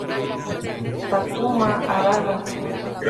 Takuma Arano